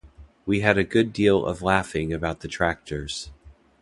We had a good deal of laughing about the Tractors.